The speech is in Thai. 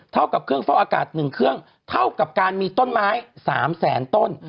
เท่ากับเครื่องเฝ้าอากาศ๑เครื่องเท่ากับการมีต้นไม้๓แสนต้น